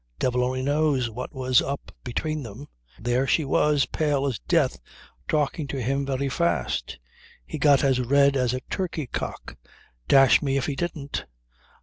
Devil only knows what was up between them. There she was, pale as death, talking to him very fast. He got as red as a turkey cock dash me if he didn't.